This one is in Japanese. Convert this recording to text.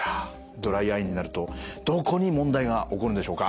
ドライアイになるとどこに問題が起こるんでしょうか。